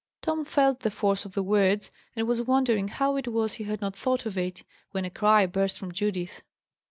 Tom felt the force of the words, and was wondering how it was he had not thought of it, when a cry burst from Judith.